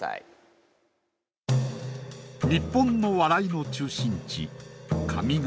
日本の笑いの中心地上方。